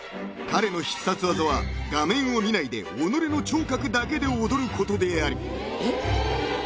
彼の必殺技は画面を見ないで己の聴覚だけで踊ることである］